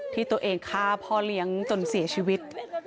ที่ตัวเองฆ่าพ่อเลี้ยงจนเสียชีวิต